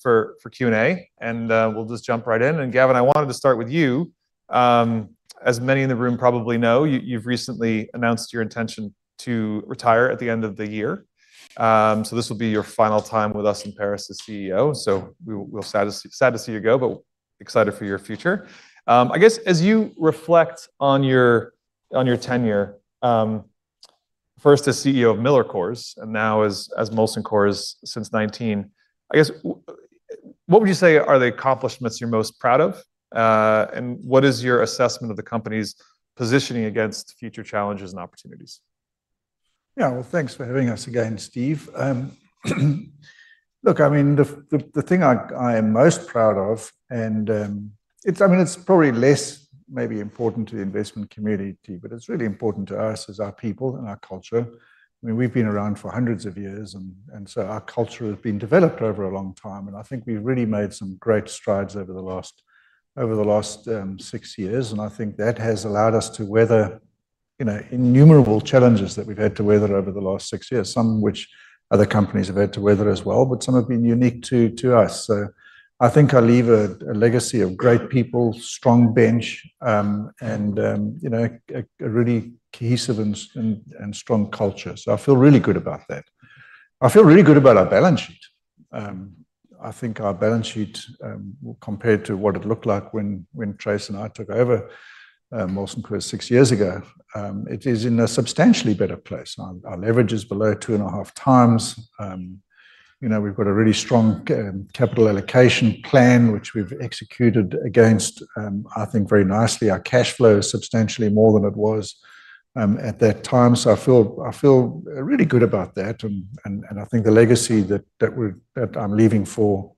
For Q&A, we'll just jump right in. Gavin, I wanted to start with you. As many in the room probably know, you've recently announced your intention to retire at the end of the year. This will be your final time with us in Paris as CEO. We're sad to see you go, but excited for your future. I guess, as you reflect on your tenure, first as CEO of MillerCoors and now as Molson Coors since 2019, what would you say are the accomplishments you're most proud of? What is your assessment of the company's positioning against future challenges and opportunities? Yeah, thanks for having us again, Steve. Look, I mean, the thing I am most proud of, and I mean, it's probably less maybe important to the investment community, but it's really important to us as our people and our culture. I mean, we've been around for hundreds of years, and our culture has been developed over a long time. I think we've really made some great strides over the last six years. I think that has allowed us to weather innumerable challenges that we've had to weather over the last six years, some which other companies have had to weather as well, but some have been unique to us. I think I leave a legacy of great people, strong bench, and a really cohesive and strong culture. I feel really good about that. I feel really good about our balance sheet. I think our balance sheet, compared to what it looked like when Tracey and I took over Molson Coors six years ago, it is in a substantially better place. Our leverage is below 2.5x. We've got a really strong capital allocation plan, which we've executed against, I think, very nicely. Our cash flow is substantially more than it was at that time. I feel really good about that. I think the legacy that I'm leaving for,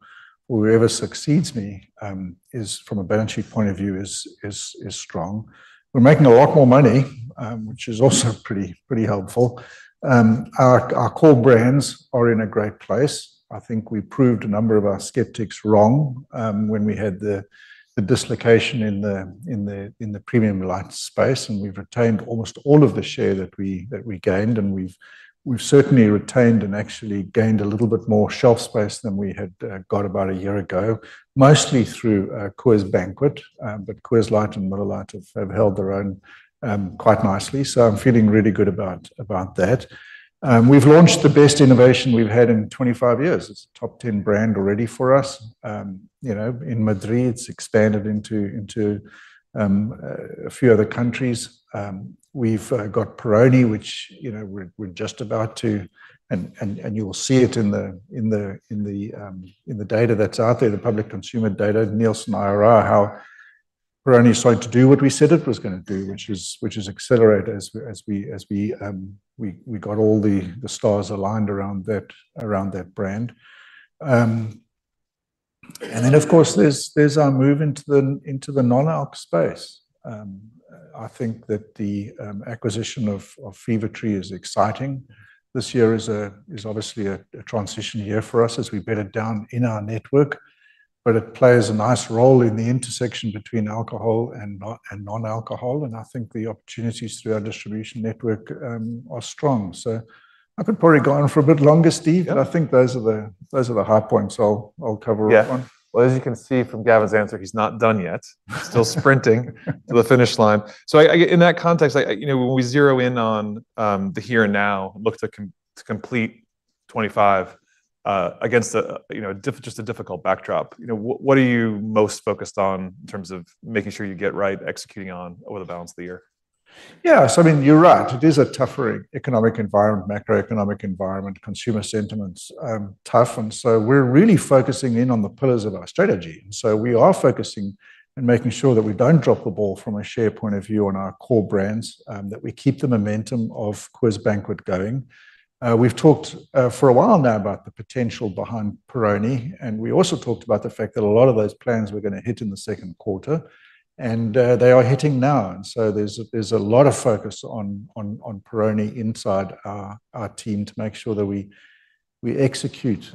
whoever succeeds me, from a balance sheet point of view, is strong. We're making a lot more money, which is also pretty helpful. Our core brands are in a great place. I think we proved a number of our skeptics wrong when we had the dislocation in the premium light space. We've retained almost all of the share that we gained. We have certainly retained and actually gained a little bit more shelf space than we had about a year ago, mostly through Coors Banquet. Coors Light and Miller Lite have held their own quite nicely. I am feeling really good about that. We have launched the best innovation we have had in 25 years. It is a top 10 brand already for us. In Madri, it has expanded into a few other countries. We have got Peroni, which we are just about to, and you will see it in the data that is out there, the public consumer data, Nielsen IRR, how Peroni is trying to do what we said it was going to do, which is accelerate as we got all the stars aligned around that brand. There is our move into the non-alc space. I think that the acquisition of Fever-Tree is exciting. This year is obviously a transition year for us as we've bedded down in our network. It plays a nice role in the intersection between alcohol and non-alcohol. I think the opportunities through our distribution network are strong. I could probably go on for a bit longer, Steve. I think those are the high points I'll cover off on. Yeah. As you can see from Gavin's answer, he's not done yet. He's still sprinting to the finish line. In that context, when we zero in on the here and now, look to complete 2025 against just a difficult backdrop, what are you most focused on in terms of making sure you get right, executing on over the balance of the year? Yeah. I mean, you're right. It is a tougher economic environment, macroeconomic environment, consumer sentiment's tough. We are really focusing in on the pillars of our strategy. We are focusing and making sure that we do not drop the ball from a share point of view on our core brands, that we keep the momentum of Coors Banquet going. We've talked for a while now about the potential behind Peroni. We also talked about the fact that a lot of those plans were going to hit in the second quarter. They are hitting now. There is a lot of focus on Peroni inside our team to make sure that we execute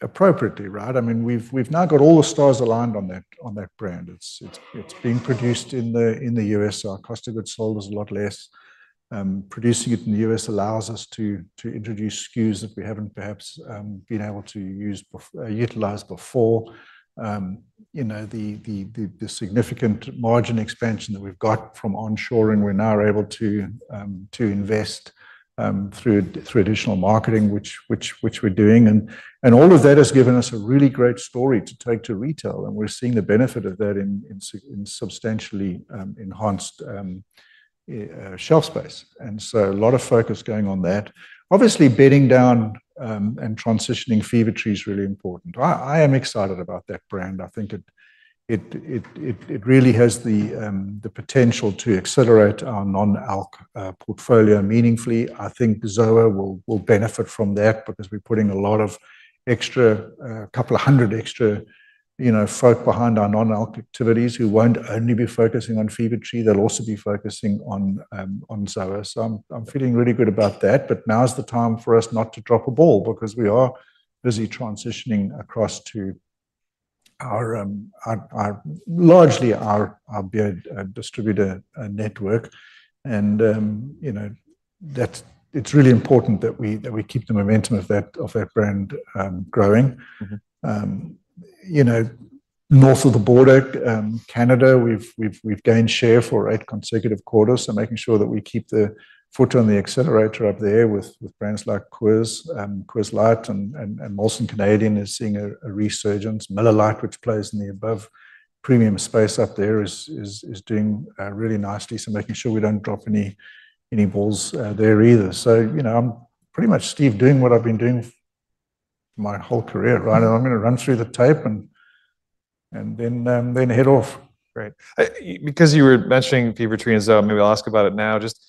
appropriately, right? I mean, we've now got all the stars aligned on that brand. It's being produced in the US. Our cost of goods sold is a lot less. Producing it in the US allows us to introduce SKUs that we have not perhaps been able to utilize before. The significant margin expansion that we have got from onshoring, we are now able to invest through additional marketing, which we are doing. All of that has given us a really great story to take to retail. We are seeing the benefit of that in substantially enhanced shelf space. A lot of focus is going on that. Obviously, bedding down and transitioning Fever-Tree is really important. I am excited about that brand. I think it really has the potential to accelerate our non-alc portfolio meaningfully. I think Zoa will benefit from that because we are putting a lot of extra, a couple of hundred extra folk behind our non-alc activities who will not only be focusing on Fever-Tree. They will also be focusing on Zoa. I am feeling really good about that. Now is the time for us not to drop a ball because we are busy transitioning across to largely our distributor network. It is really important that we keep the momentum of that brand growing. North of the border, Canada, we have gained share for eight consecutive quarters. Making sure that we keep the foot on the accelerator up there with brands like Coors Light and Molson Canadian is seeing a resurgence. Miller Lite, which plays in the above premium space up there, is doing really nicely. Making sure we do not drop any balls there either. I am pretty much, Steve, doing what I have been doing my whole career, right? I am going to run through the tape and then head off. Great. Because you were mentioning Fever-Tree and Zoa, maybe I'll ask about it now. Just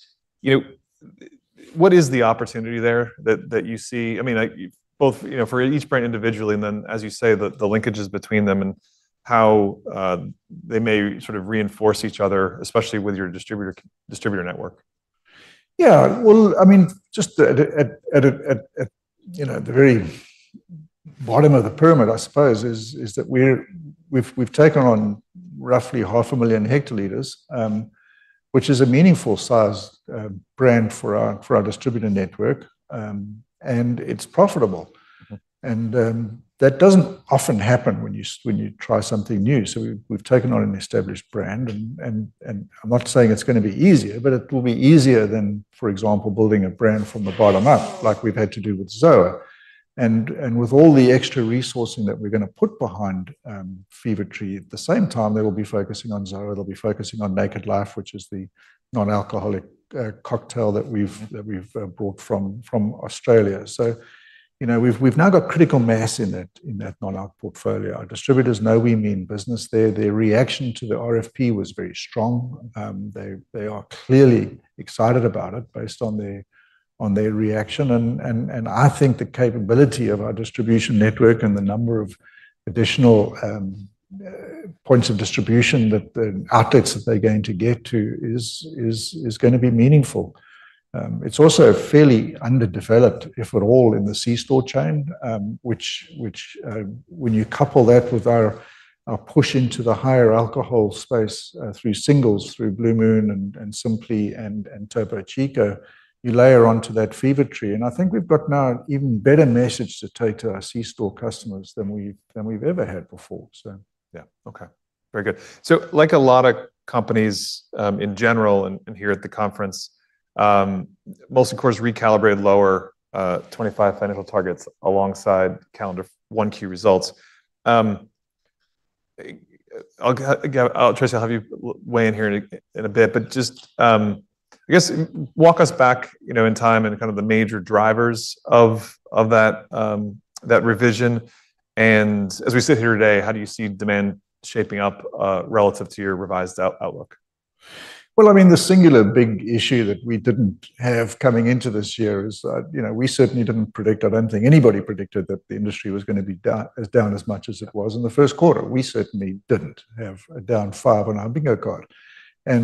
what is the opportunity there that you see? I mean, both for each brand individually, and then, as you say, the linkages between them and how they may sort of reinforce each other, especially with your distributor network. Yeah. I mean, just at the very bottom of the pyramid, I suppose, is that we've taken on roughly 500,000 hectoliters, which is a meaningful size brand for our distributor network. And it's profitable. That doesn't often happen when you try something new. We've taken on an established brand. I'm not saying it's going to be easier, but it will be easier than, for example, building a brand from the bottom up, like we've had to do with Zoa. With all the extra resourcing that we're going to put behind Fever-Tree, at the same time, they will be focusing on Zoa. They'll be focusing on Naked Life, which is the non-alcoholic cocktail that we've brought from Australia. We've now got critical mass in that non-alc portfolio. Our distributors know we mean business there. Their reaction to the RFP was very strong. They are clearly excited about it based on their reaction. I think the capability of our distribution network and the number of additional points of distribution, the outlets that they are going to get to, is going to be meaningful. It is also fairly underdeveloped, if at all, in the C-store chain, which, when you couple that with our push into the higher alcohol space through singles, through Blue Moon and Simply and Topo Chico, you layer onto that Fever-Tree. I think we have now an even better message to take to our C-store customers than we have ever had before. Yeah. Okay. Very good. Like a lot of companies in general and here at the conference, Molson Coors recalibrated lower 2025 financial targets alongside calendar Q1 results. Tracey, I'll have you weigh in here in a bit. Just, I guess, walk us back in time and kind of the major drivers of that revision. As we sit here today, how do you see demand shaping up relative to your revised outlook? I mean, the singular big issue that we did not have coming into this year is that we certainly did not predict or I do not think anybody predicted that the industry was going to be down as much as it was in the first quarter. We certainly did not have a down five on our bingo card. As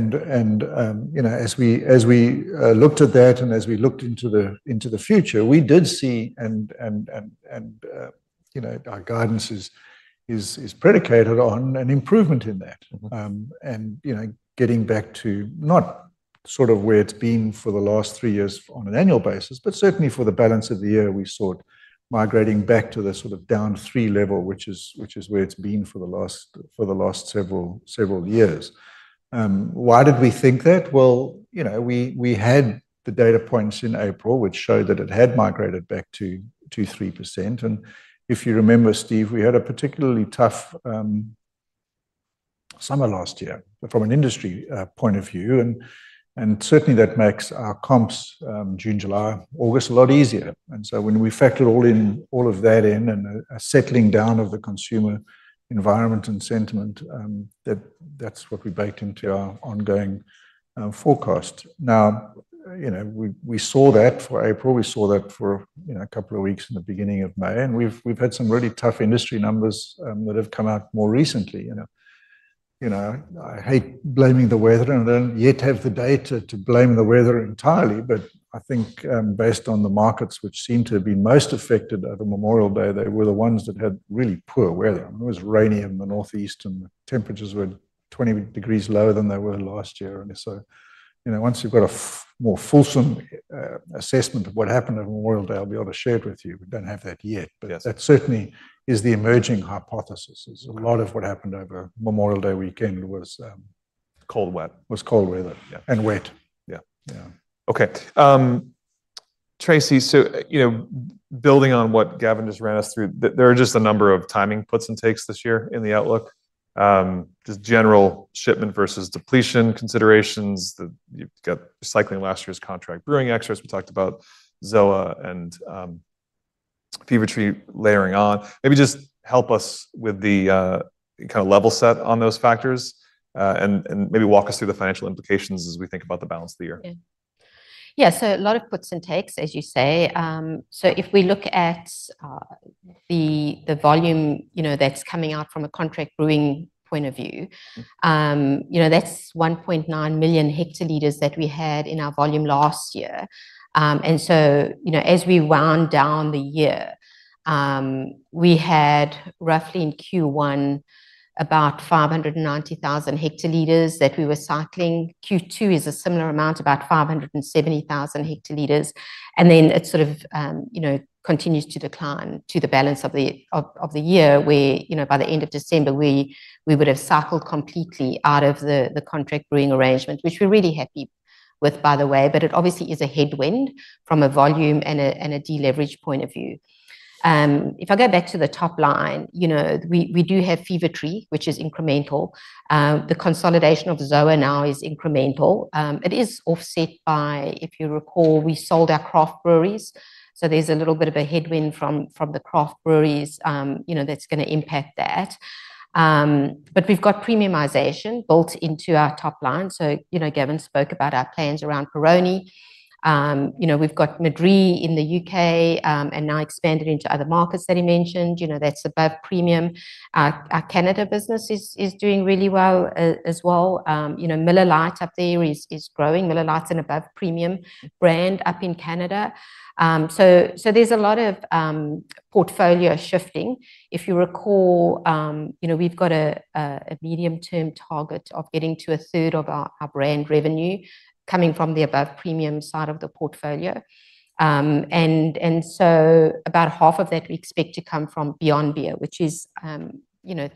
we looked at that and as we looked into the future, we did see, and our guidance is predicated on an improvement in that. Getting back to not sort of where it has been for the last three years on an annual basis, but certainly for the balance of the year, we saw it migrating back to the sort of down three level, which is where it has been for the last several years. Why did we think that? We had the data points in April, which showed that it had migrated back to 2%-3%. If you remember, Steve, we had a particularly tough summer last year from an industry point of view. Certainly, that makes our comps, June, July, August, a lot easier. When we factored all of that in and a settling down of the consumer environment and sentiment, that is what we baked into our ongoing forecast. We saw that for April. We saw that for a couple of weeks in the beginning of May. We have had some really tough industry numbers that have come out more recently. I hate blaming the weather and do not yet have the data to blame the weather entirely. I think based on the markets, which seem to have been most affected over Memorial Day, they were the ones that had really poor weather. It was rainy in the Northeast, and temperatures were 20 degrees lower than they were last year. Once you've got a more fulsome assessment of what happened on Memorial Day, I'll be able to share it with you. We do not have that yet. That certainly is the emerging hypothesis. A lot of what happened over Memorial Day weekend was. Cold, wet. Was cold weather and wet. Yeah. Okay. Tracey, so building on what Gavin just ran us through, there are just a number of timing puts and takes this year in the outlook. Just general shipment versus depletion considerations. You've got recycling last year's contract brewing excerpts we talked about, Zoa and Fever-Tree layering on. Maybe just help us with the kind of level set on those factors and maybe walk us through the financial implications as we think about the balance of the year. Yeah. A lot of puts and takes, as you say. If we look at the volume that's coming out from a contract brewing point of view, that's 1.9 million hectoliters that we had in our volume last year. As we wound down the year, we had roughly in Q1 about 590,000 hectoliters that we were cycling. Q2 is a similar amount, about 570,000 hectoliters. It sort of continues to decline to the balance of the year where by the end of December, we would have cycled completely out of the contract brewing arrangement, which we're really happy with, by the way. It obviously is a headwind from a volume and a deleverage point of view. If I go back to the top line, we do have Fever-Tree, which is incremental. The consolidation of Zoa now is incremental. It is offset by, if you recall, we sold our craft breweries. There is a little bit of a headwind from the craft breweries that is going to impact that. We have got premiumization built into our top line. Gavin spoke about our plans around Peroni. We have got Madri in the U.K. and now expanded into other markets that he mentioned. That is above premium. Our Canada business is doing really well as well. Miller Lite up there is growing. Miller Lite is an above premium brand up in Canada. There is a lot of portfolio shifting. If you recall, we have got a medium-term target of getting to a third of our brand revenue coming from the above premium side of the portfolio. About half of that we expect to come from beyond beer, which is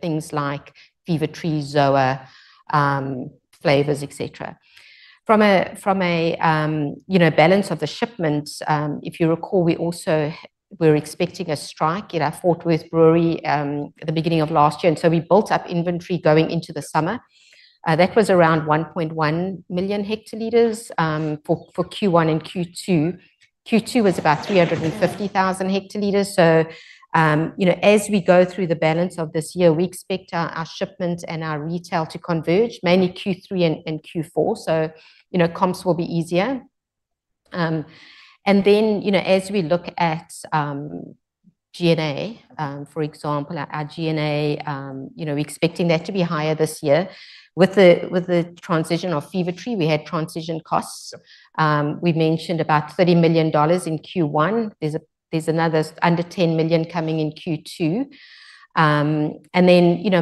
things like Fever-Tree, Zoa, flavors, etc. From a balance of the shipments, if you recall, we also were expecting a strike at our Fort Worth brewery at the beginning of last year. We built up inventory going into the summer. That was around 1.1 million hectoliters for Q1 and Q2. Q2 was about 350,000 hectoliters. As we go through the balance of this year, we expect our shipment and our retail to converge, mainly Q3 and Q4. Comps will be easier. As we look at G&A, for example, our G&A, we're expecting that to be higher this year. With the transition of Fever-Tree, we had transition costs. We mentioned about $30 million in Q1. There's another under $10 million coming in Q2.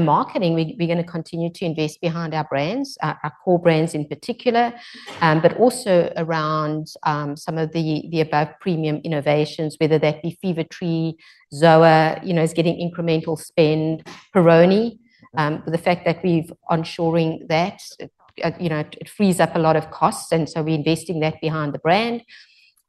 Marketing, we're going to continue to invest behind our brands, our core brands in particular, but also around some of the above premium innovations, whether that be Fever-Tree, Zoa is getting incremental spend, Peroni. The fact that we're onshoring that, it frees up a lot of costs. We're investing that behind the brand.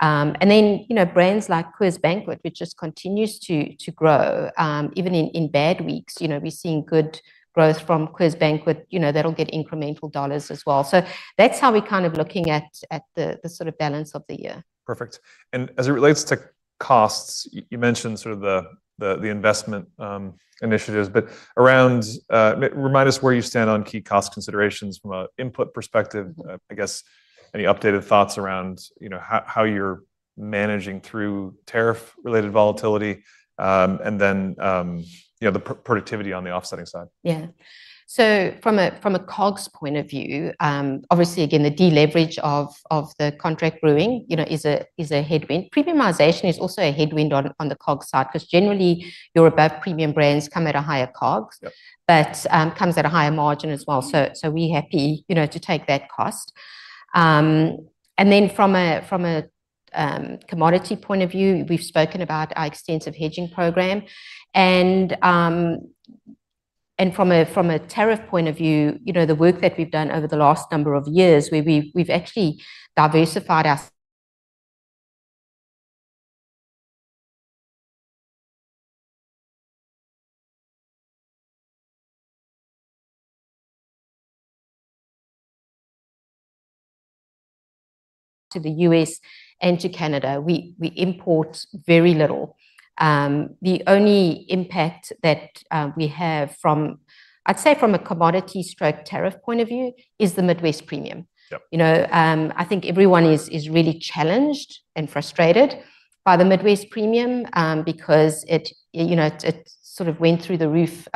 Brands like Coors Banquet, which just continues to grow, even in bad weeks, we're seeing good growth from Coors Banquet. That'll get incremental dollars as well. That's how we're kind of looking at the sort of balance of the year. Perfect. As it relates to costs, you mentioned sort of the investment initiatives. Remind us where you stand on key cost considerations from an input perspective. I guess any updated thoughts around how you're managing through tariff-related volatility and then the productivity on the offsetting side? Yeah. From a COGS point of view, obviously, again, the deleverage of the contract brewing is a headwind. Premiumization is also a headwind on the COGS side because generally, your above premium brands come at a higher COGS, but comes at a higher margin as well. We are happy to take that cost. From a commodity point of view, we have spoken about our extensive hedging program. From a tariff point of view, the work that we have done over the last number of years where we have actually diversified our to the US and to Canada, we import very little. The only impact that we have, I would say from a commodity stroke tariff point of view, is the Midwest Premium. I think everyone is really challenged and frustrated by the Midwest Premium because it sort of went through the roof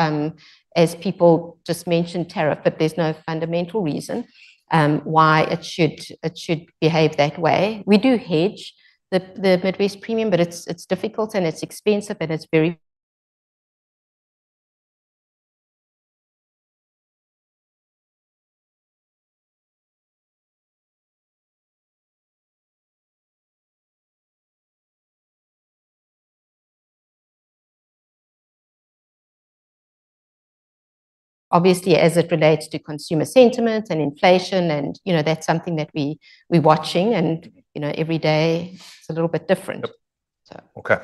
as people just mentioned tariff, but there is no fundamental reason why it should behave that way. We do hedge the Midwest Premium, but it is difficult and it is expensive and it is very. Obviously, as it relates to consumer sentiment and inflation, and that is something that we are watching. Every day, it is a little bit different. Okay.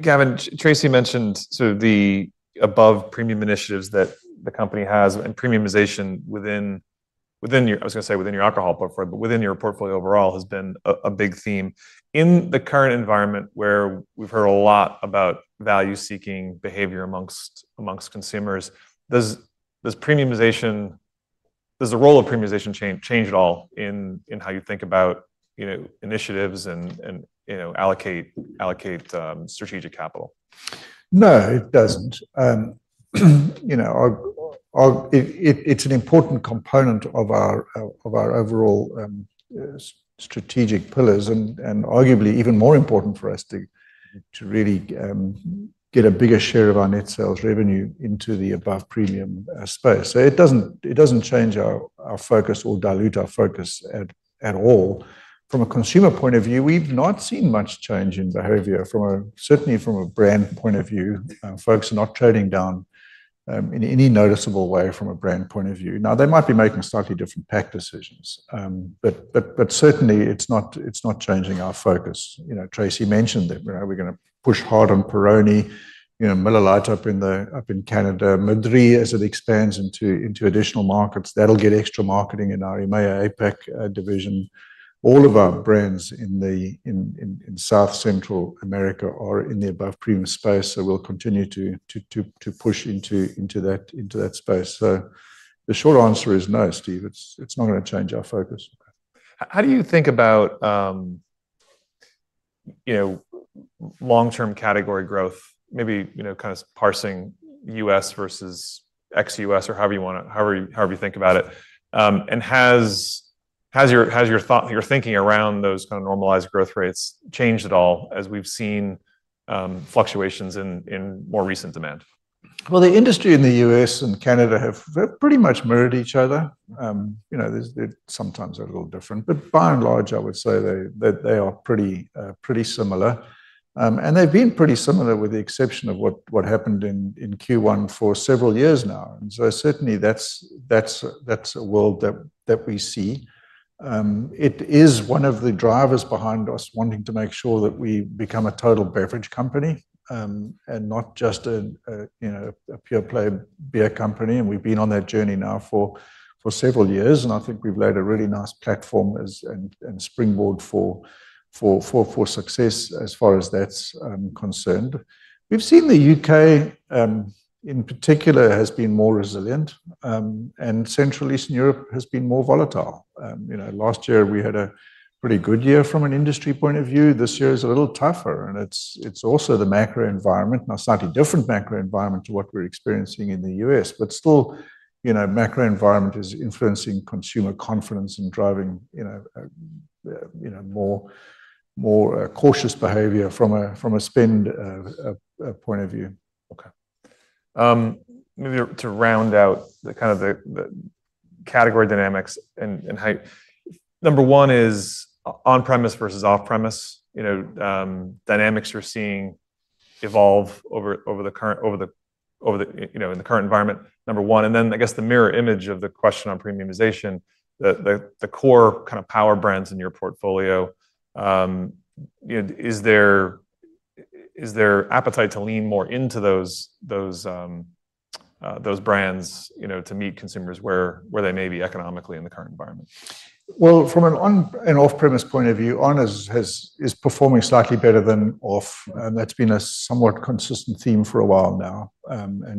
Gavin, Tracey mentioned sort of the above premium initiatives that the company has and premiumization within your—I was going to say within your alcohol portfolio, but within your portfolio overall has been a big theme. In the current environment where we've heard a lot about value-seeking behavior amongst consumers, does the role of premiumization change at all in how you think about initiatives and allocate strategic capital? No, it doesn't. It's an important component of our overall strategic pillars and arguably even more important for us to really get a bigger share of our net sales revenue into the above premium space. It doesn't change our focus or dilute our focus at all. From a consumer point of view, we've not seen much change in behavior, certainly from a brand point of view. Folks are not trading down in any noticeable way from a brand point of view. They might be making slightly different pack decisions. It is not changing our focus. Tracey mentioned that we're going to push hard on Peroni, Miller Lite up in Canada, Madri as it expands into additional markets. That will get extra marketing in our EMEA APAC division. All of our brands in South Central America are in the above premium space, so we'll continue to push into that space. The short answer is no, Steve. It's not going to change our focus. How do you think about long-term category growth, maybe kind of parsing US versus ex-US or however you want to—however you think about it? Has your thinking around those kind of normalized growth rates changed at all as we've seen fluctuations in more recent demand? The industry in the U.S. and Canada have pretty much mirrored each other. They sometimes are a little different. By and large, I would say they are pretty similar. They have been pretty similar with the exception of what happened in Q1 for several years now. Certainly, that is a world that we see. It is one of the drivers behind us wanting to make sure that we become a total beverage company and not just a pure play beer company. We have been on that journey now for several years. I think we have laid a really nice platform and springboard for success as far as that is concerned. We have seen the U.K., in particular, has been more resilient. Central East Europe has been more volatile. Last year, we had a pretty good year from an industry point of view. This year is a little tougher. It is also the macro environment, a slightly different macro environment to what we are experiencing in the US. Still, macro environment is influencing consumer confidence and driving more cautious behavior from a spend point of view. Okay. Maybe to round out kind of the category dynamics and how number one is on-premise versus off-premise, dynamics you're seeing evolve over the current in the current environment, number one. I guess the mirror image of the question on premiumization, the core kind of power brands in your portfolio, is there appetite to lean more into those brands to meet consumers where they may be economically in the current environment? From an off-premise point of view, Honors is performing slightly better than off. That has been a somewhat consistent theme for a while now.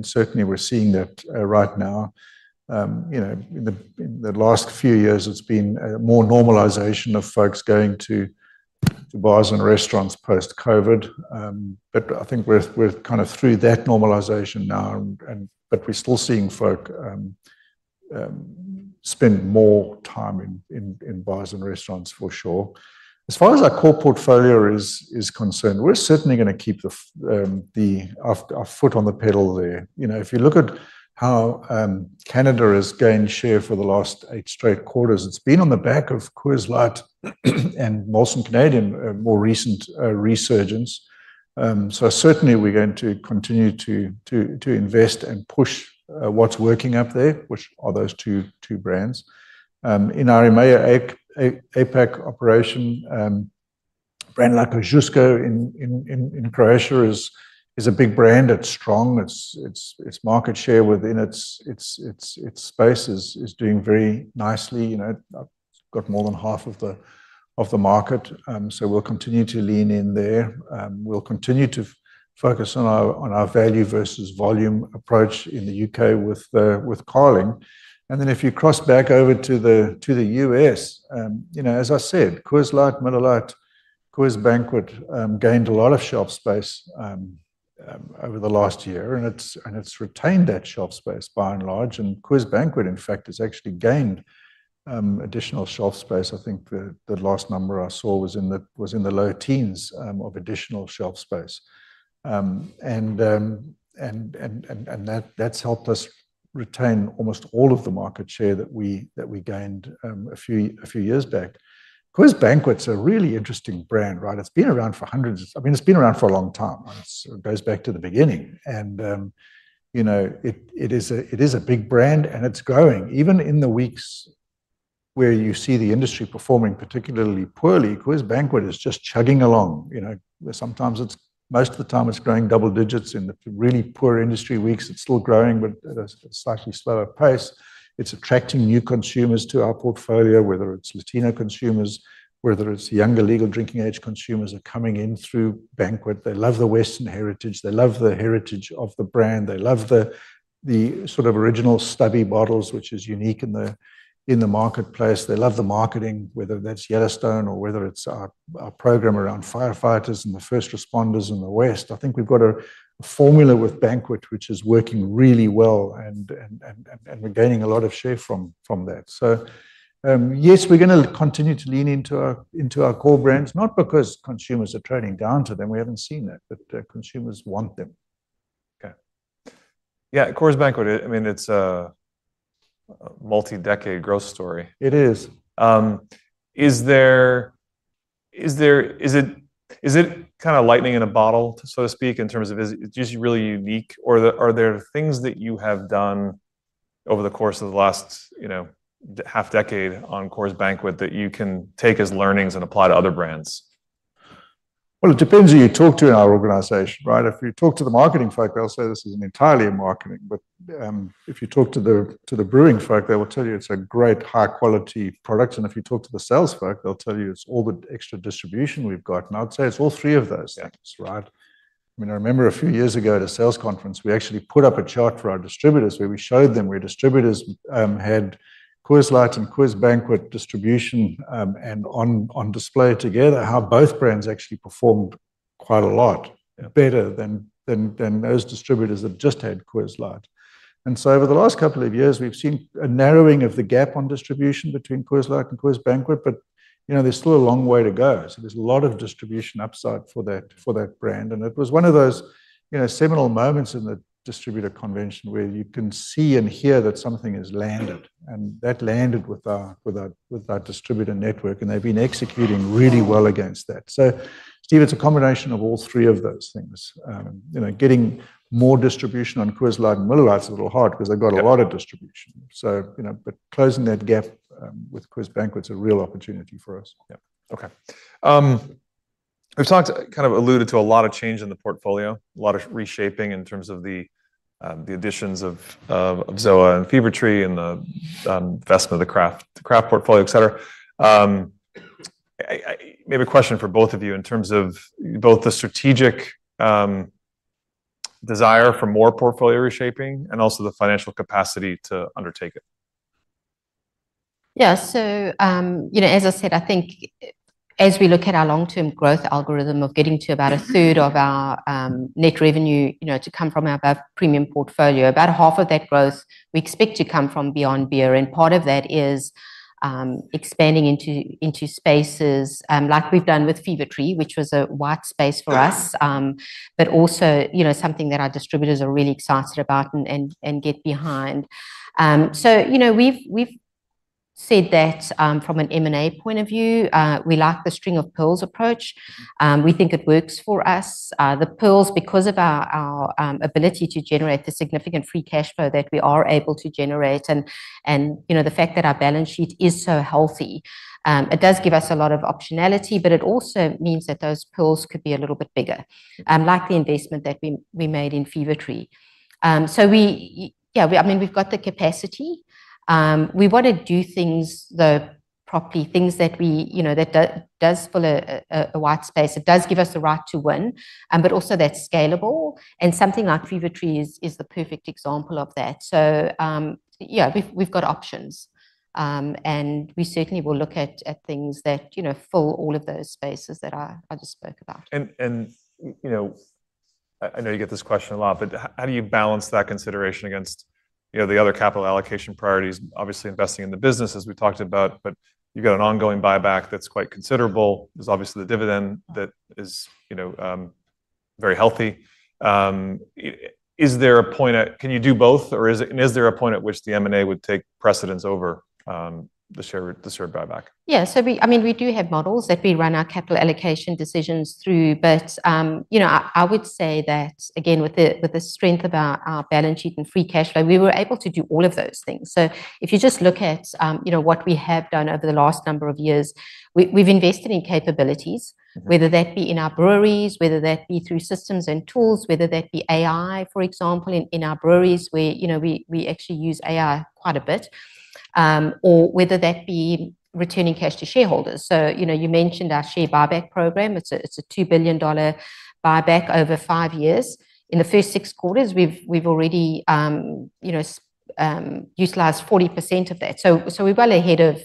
Certainly, we are seeing that right now. In the last few years, it has been more normalization of folks going to bars and restaurants post-COVID. I think we are kind of through that normalization now. We are still seeing folk spend more time in bars and restaurants for sure. As far as our core portfolio is concerned, we are certainly going to keep our foot on the pedal there. If you look at how Canada has gained share for the last eight straight quarters, it has been on the back of Coors Light and Molson Canadian more recent resurgence. We are going to continue to invest and push what is working up there, which are those two brands. In our EMEA APAC operation, brands like Ožujsko in Croatia is a big brand. It's strong. Its market share within its space is doing very nicely. It's got more than half of the market. We will continue to lean in there. We will continue to focus on our value versus volume approach in the U.K. with Carling. If you cross back over to the U.S., as I said, Coors Light, Miller Lite, Coors Banquet gained a lot of shelf space over the last year. It's retained that shelf space by and large. Coors Banquet, in fact, has actually gained additional shelf space. I think the last number I saw was in the low teens of additional shelf space. That has helped us retain almost all of the market share that we gained a few years back. Coors Banquet's a really interesting brand, right? It's been around for hundreds. I mean, it's been around for a long time. It goes back to the beginning. It is a big brand, and it's growing. Even in the weeks where you see the industry performing particularly poorly, Coors Banquet is just chugging along. Most of the time, it's growing double digits. In the really poor industry weeks, it's still growing, but at a slightly slower pace. It's attracting new consumers to our portfolio, whether it's Latino consumers, whether it's younger legal drinking age consumers are coming in through Banquet. They love the Western heritage. They love the heritage of the brand. They love the sort of original stubby bottles, which is unique in the marketplace. They love the marketing, whether that's Yellowstone or whether it's our program around firefighters and the first responders in the West. I think we've got a formula with Banquet which is working really well, and we're gaining a lot of share from that. Yes, we're going to continue to lean into our core brands, not because consumers are trading down to them. We haven't seen that, but consumers want them. Okay. Yeah, Coors Banquet, I mean, it's a multi-decade growth story. It is. Is it kind of lightning in a bottle, so to speak, in terms of it's just really unique? Or are there things that you have done over the course of the last half-decade on Coors Banquet that you can take as learnings and apply to other brands? It depends who you talk to in our organization, right? If you talk to the marketing folk, they'll say this is entirely marketing. If you talk to the brewing folk, they will tell you it's a great high-quality product. If you talk to the sales folk, they'll tell you it's all the extra distribution we've got. I'd say it's all three of those things, right? I mean, I remember a few years ago at a sales conference, we actually put up a chart for our distributors where we showed them where distributors had Coors Light and Coors Banquet distribution and on display together, how both brands actually performed quite a lot better than those distributors that just had Coors Light. Over the last couple of years, we've seen a narrowing of the gap on distribution between Coors Light and Coors Banquet, but there's still a long way to go. There's a lot of distribution upside for that brand. It was one of those seminal moments in the distributor convention where you can see and hear that something has landed. That landed with our distributor network, and they've been executing really well against that. Steve, it's a combination of all three of those things. Getting more distribution on Coors Light and Miller Lite is a little hard because they've got a lot of distribution. Closing that gap with Coors Banquet is a real opportunity for us. Yeah. Okay. We've kind of alluded to a lot of change in the portfolio, a lot of reshaping in terms of the additions of Zoa and Fever-Tree and the investment of the Craft portfolio, etc. Maybe a question for both of you in terms of both the strategic desire for more portfolio reshaping and also the financial capacity to undertake it. Yeah. As I said, I think as we look at our long-term growth algorithm of getting to about a third of our net revenue to come from our above premium portfolio, about half of that growth we expect to come from beyond beer. Part of that is expanding into spaces like we have done with Fever-Tree, which was a white space for us, but also something that our distributors are really excited about and get behind. We have said that from an M&A point of view, we like the string of pearls approach. We think it works for us. The pearls, because of our ability to generate the significant free cash flow that we are able to generate and the fact that our balance sheet is so healthy, it does give us a lot of optionality, but it also means that those pearls could be a little bit bigger, like the investment that we made in Fever-Tree. Yeah, I mean, we've got the capacity. We want to do things though properly, things that does fill a white space. It does give us the right to win, but also that's scalable. Something like Fever-Tree is the perfect example of that. Yeah, we've got options. We certainly will look at things that fill all of those spaces that I just spoke about. I know you get this question a lot, but how do you balance that consideration against the other capital allocation priorities, obviously investing in the business as we talked about, but you've got an ongoing buyback that's quite considerable. There's obviously the dividend that is very healthy. Is there a point at can you do both? Is there a point at which the M&A would take precedence over the share buyback? Yeah. I mean, we do have models that we run our capital allocation decisions through. I would say that, again, with the strength of our balance sheet and free cash flow, we were able to do all of those things. If you just look at what we have done over the last number of years, we've invested in capabilities, whether that be in our breweries, whether that be through systems and tools, whether that be AI, for example, in our breweries where we actually use AI quite a bit, or whether that be returning cash to shareholders. You mentioned our share buyback program. It's a $2 billion buyback over five years. In the first six quarters, we've already utilized 40% of that. We're well ahead of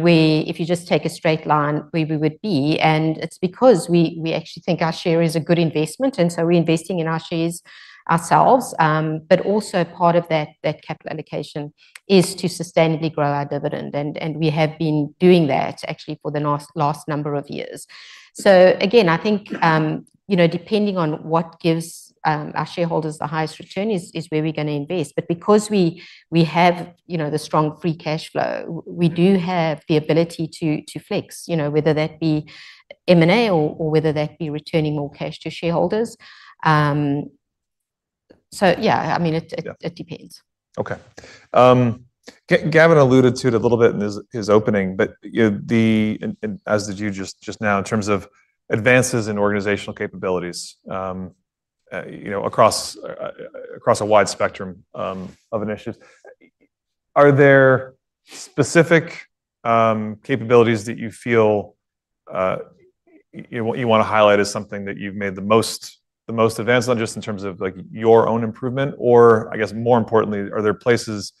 where, if you just take a straight line, where we would be. We actually think our share is a good investment. Reinvesting in our shares ourselves, but also part of that capital allocation is to sustainably grow our dividend. We have been doing that actually for the last number of years. I think depending on what gives our shareholders the highest return is where we are going to invest. Because we have the strong free cash flow, we do have the ability to flex, whether that be M&A or whether that be returning more cash to shareholders. I mean, it depends. Okay. Gavin alluded to it a little bit in his opening, but as did you just now in terms of advances in organizational capabilities across a wide spectrum of initiatives. Are there specific capabilities that you feel you want to highlight as something that you've made the most advance on just in terms of your own improvement? Or I guess more importantly, are there places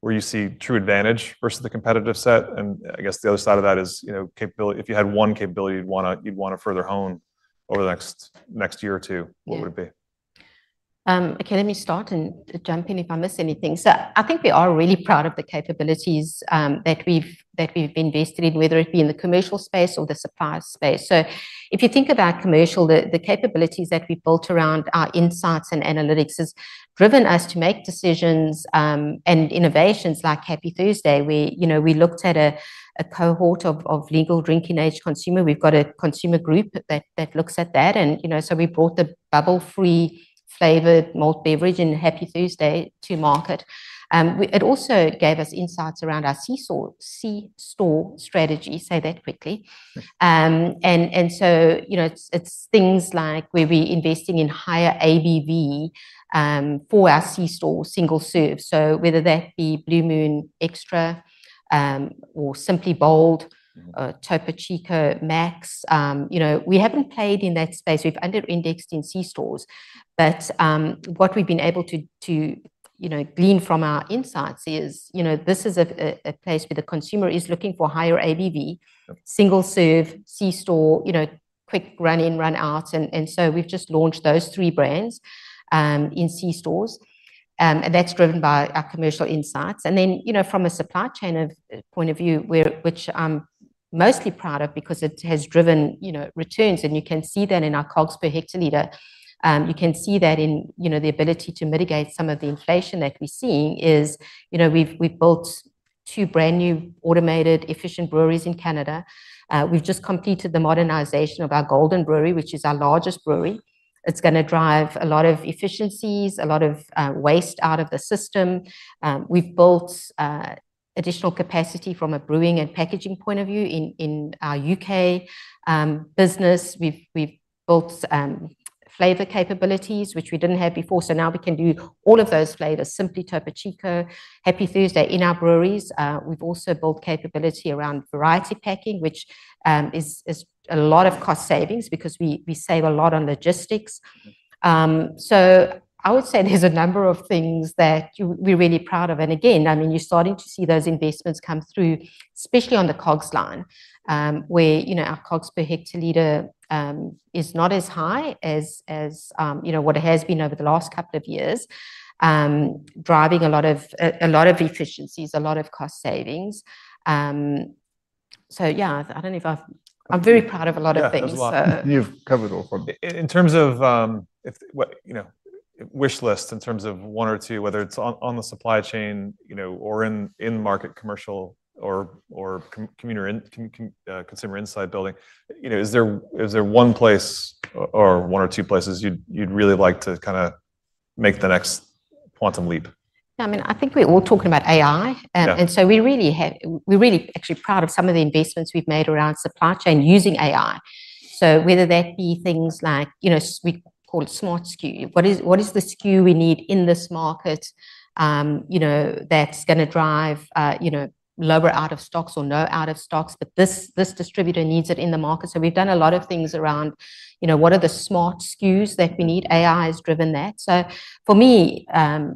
where you see true advantage versus the competitive set? I guess the other side of that is if you had one capability you'd want to further hone over the next year or two, what would it be? Okay. Let me start and jump in if I miss anything. I think we are really proud of the capabilities that we've invested in, whether it be in the commercial space or the supply space. If you think about commercial, the capabilities that we've built around our insights and analytics has driven us to make decisions and innovations like Happy Thursday, where we looked at a cohort of legal drinking age consumer. We've got a consumer group that looks at that. We brought the bubble-free flavored malt beverage in Happy Thursday to market. It also gave us insights around our c-store strategy, say that quickly. It's things like where we're investing in higher ABV for our c-store single serve. Whether that be Blue Moon Extra or Simply Bold or Topo Chico Maxx, we haven't played in that space. We've under-indexed in c-stores. What we've been able to glean from our insights is this is a place where the consumer is looking for higher ABV, single serve, c-store, quick run-in, run-out. We've just launched those three brands in c-stores. That's driven by our commercial insights. From a supply chain point of view, which I'm mostly proud of because it has driven returns, you can see that in our COGS per hectoliter. You can see that in the ability to mitigate some of the inflation that we're seeing as we've built two brand new automated efficient breweries in Canada. We've just completed the modernization of our Golden brewery, which is our largest brewery. It's going to drive a lot of efficiencies, a lot of waste out of the system. We've built additional capacity from a brewing and packaging point of view in our U.K. business. We've built flavor capabilities, which we didn't have before. So now we can do all of those flavors, Simply, Topo Chico, Happy Thursday in our breweries. We've also built capability around variety packing, which is a lot of cost savings because we save a lot on logistics. I would say there's a number of things that we're really proud of. And again, I mean, you're starting to see those investments come through, especially on the COGS line, where our COGS per hectoliter is not as high as what it has been over the last couple of years, driving a lot of efficiencies, a lot of cost savings. Yeah, I don't know if I'm very proud of a lot of things. You've covered all of them. In terms of wish list, in terms of one or two, whether it's on the supply chain or in market commercial or consumer insight building, is there one place or one or two places you'd really like to kind of make the next quantum leap? I mean, I think we're all talking about AI. And so we're really actually proud of some of the investments we've made around supply chain using AI. Whether that be things like we call it smart SKU. What is the SKU we need in this market that's going to drive lower out of stocks or no out of stocks, but this distributor needs it in the market? We've done a lot of things around what are the smart SKUs that we need. AI has driven that. For me,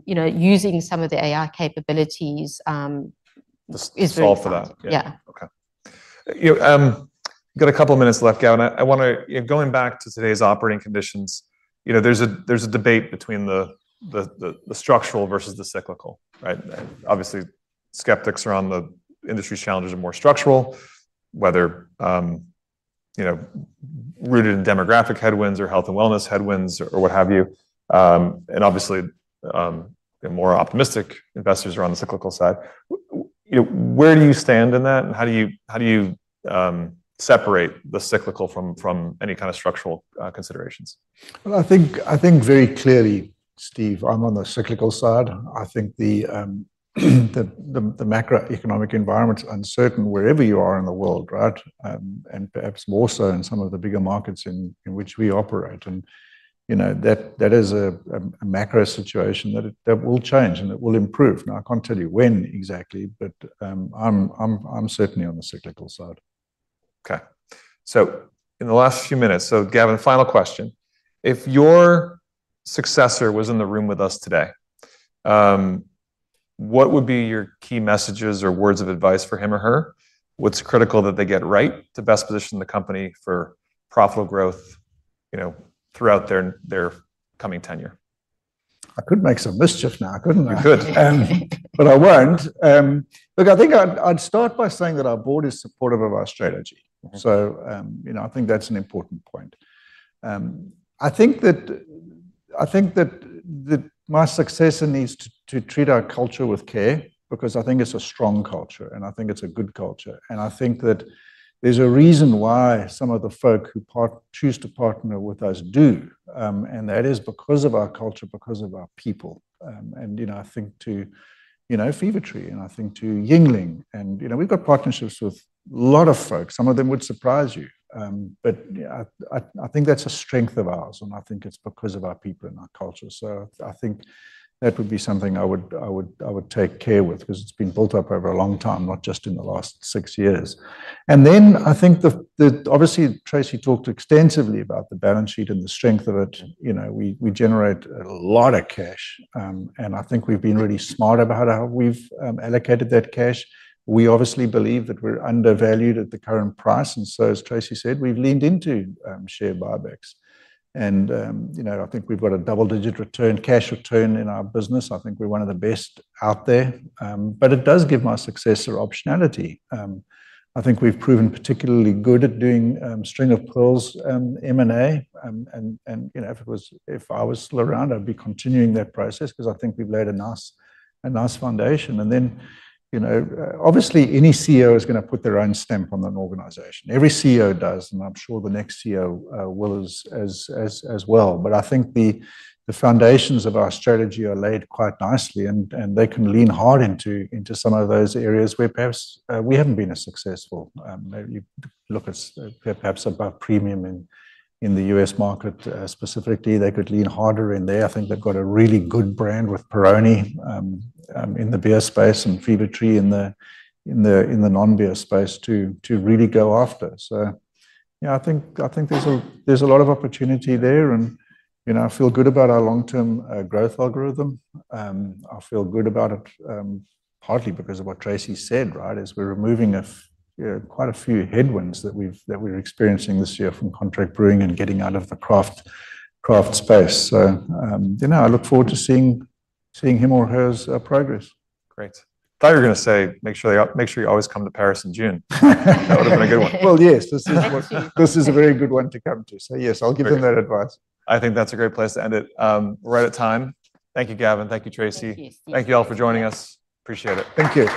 using some of the AI capabilities is really. The solve for that. Yeah. Okay. We've got a couple of minutes left, Gavin. I want to go back to today's operating conditions, there's a debate between the structural versus the cyclical, right? Obviously, skeptics around the industry's challenges are more structural, whether rooted in demographic headwinds or health and wellness headwinds or what have you. Obviously, more optimistic investors are on the cyclical side. Where do you stand in that? How do you separate the cyclical from any kind of structural considerations? I think very clearly, Steve, I'm on the cyclical side. I think the macroeconomic environment's uncertain wherever you are in the world, right? And perhaps more so in some of the bigger markets in which we operate. That is a macro situation that will change and it will improve. Now, I can't tell you when exactly, but I'm certainly on the cyclical side. Okay. In the last few minutes, Gavin, final question. If your successor was in the room with us today, what would be your key messages or words of advice for him or her? What's critical that they get right to best position the company for profitable growth throughout their coming tenure? I could make some mischief now. I couldn't. You could. I think I'd start by saying that our board is supportive of our strategy. I think that's an important point. I think that my successor needs to treat our culture with care because I think it's a strong culture and I think it's a good culture. I think that there's a reason why some of the folk who choose to partner with us do. That is because of our culture, because of our people. I think to Fever-Tree and I think to Yuengling. We've got partnerships with a lot of folks. Some of them would surprise you. I think that's a strength of ours. I think it's because of our people and our culture. I think that would be something I would take care with because it has been built up over a long time, not just in the last six years. I think that obviously Tracey talked extensively about the balance sheet and the strength of it. We generate a lot of cash. I think we have been really smart about how we have allocated that cash. We obviously believe that we are undervalued at the current price. As Tracey said, we have leaned into share buybacks. I think we have a double-digit cash return in our business. I think we are one of the best out there. It does give my successor optionality. I think we have proven particularly good at doing string of pearls M&A. If I was still around, I would be continuing that process because I think we have laid a nice foundation. Obviously any CEO is going to put their own stamp on an organization. Every CEO does. I am sure the next CEO will as well. I think the foundations of our strategy are laid quite nicely. They can lean hard into some of those areas where perhaps we have not been as successful. Look at perhaps Above Premium in the U.S. market specifically. They could lean harder in there. I think they have got a really good brand with Peroni in the beer space and Fever-Tree in the non-beer space to really go after. Yeah, I think there is a lot of opportunity there. I feel good about our long-term growth algorithm. I feel good about it partly because of what Tracey said, right? As we are removing quite a few headwinds that we are experiencing this year from contract brewing and getting out of the craft space. I look forward to seeing him or her progress. Great. I thought you were going to say, "Make sure you always come to Paris in June." That would have been a good one. Yes. This is a very good one to come to. Yes, I'll give them that advice. I think that's a great place to end it. We're right at time. Thank you, Gavin. Thank you, Tracey. Thank you. Thank you all for joining us. Appreciate it. Thank you.